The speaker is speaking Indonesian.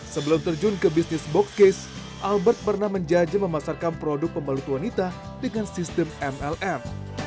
sebelum terjun ke bisnis boxcase albert pernah menjajah memasarkan produk pembalut wanita dengan sistem mlm